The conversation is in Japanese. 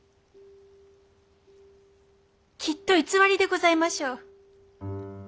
きっと偽りでございましょう。